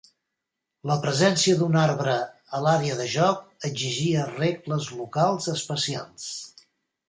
La presència d'un arbre a l'àrea de joc exigia regles locals especials.